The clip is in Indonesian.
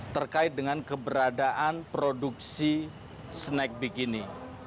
terkait dengan keberadaan produksi snack bikini